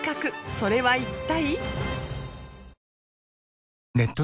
それは一体？